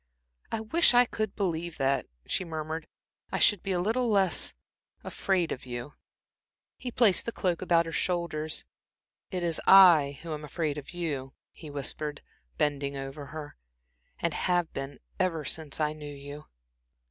"I wish I could believe that," she murmured. "I should be a little less afraid of you." He placed the cloak about her shoulders. "It is I who am afraid of you," he whispered, bending over her, "and have been ever since I knew you."